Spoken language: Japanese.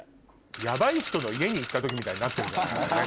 ヤバい人の家に行った時みたいになってんじゃない。